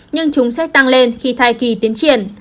nhưng chúng sẽ tăng lên khi thai kỳ tiến triển